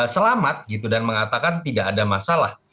selamat gitu dan mengatakan tidak ada masalah